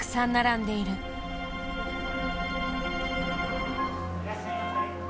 いらっしゃいませ。